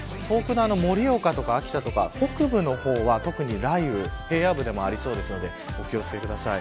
盛岡とか秋田とか北部の方は特に雷雨、平野部でもありそうですのでお気を付けください。